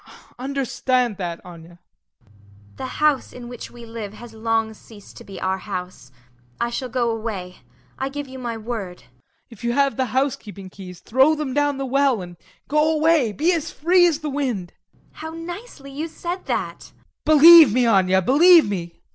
Understand that, Anya. ANYA. The house in which we live has long ceased to be our house; I shall go away. I give you my word. TROFIMOV. If you have the housekeeping keys, throw them down the well and go away. Be as free as the wind. ANYA. How nicely you said that! TROFIMOV. Believe me, Anya, believe me!